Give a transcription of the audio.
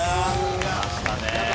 きましたね。